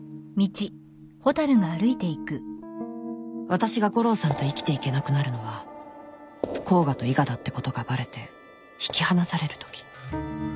私が悟郎さんと生きていけなくなるのは甲賀と伊賀だってことがバレて引き離されるとき